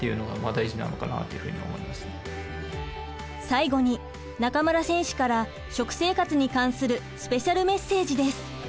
最後に中村選手から食生活に関するスペシャルメッセージです。